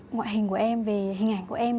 ngoại hình của em về hình ảnh của em